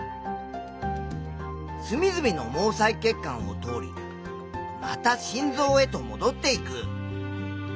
すみずみの毛細血管を通りまた心臓へともどっていく。